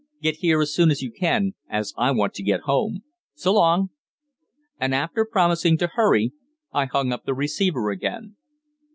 "Get here as soon as you can, as I want to get home. So long." And, after promising to hurry, I hung up the receiver again.